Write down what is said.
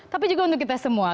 tapi juga untuk kita semua